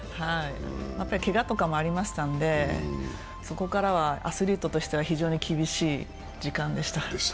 けがとかもありましたんでそこからはアスリートとしては非常に厳しい時間でした。